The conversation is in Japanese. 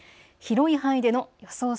広い範囲での予想